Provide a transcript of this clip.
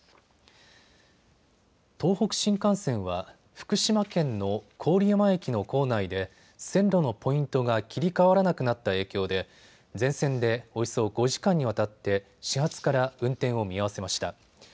東北新幹線は福島県の郡山駅の構内で線路のポイントが切り替わらなくなった影響で全線でおよそ５時間にわたって始発から運転を見合わせました。